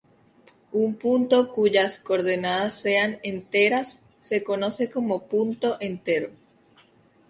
Un punto cuyas coordenadas sean enteras se conoce como "punto entero".